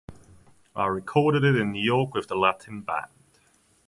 I recorded it in New York with the Latin band.